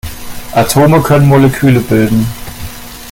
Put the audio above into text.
Atome können Moleküle bilden.